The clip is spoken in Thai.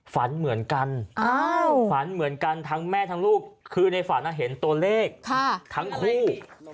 ฝันเหมือนกันฝันเหมือนกันทั้งแม่ทั้งลูกคือในฝันเห็นตัวเลขทั้งคู่